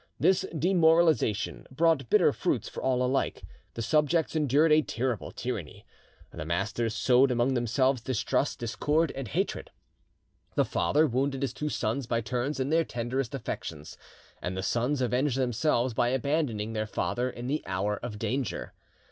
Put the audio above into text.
This demoralisation brought bitter fruits for all alike: the subjects endured a terrible tyranny; the masters sowed among themselves distrust, discord, and hatred. The father wounded his two sons by turns in their tenderest affections, and the sons avenged themselves by abandoning their father in the hour of danger.